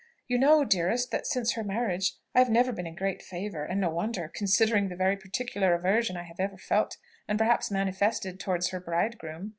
You know, dearest, that since her marriage I have never been in great favour; and no wonder, considering the very particular aversion I have ever felt, and perhaps manifested, towards her bridegroom.